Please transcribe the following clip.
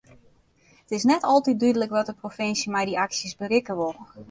It is net altyd dúdlik wat de provinsje met dy aksjes berikke wol.